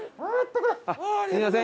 すみません